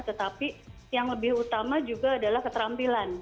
tetapi yang lebih utama juga adalah keterampilan